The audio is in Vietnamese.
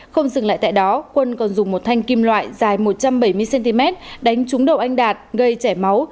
không dừng lại tại đó quân còn dùng một thanh kim loại dài một trăm bảy mươi cm đánh trúng đầu anh đạt gây chảy máu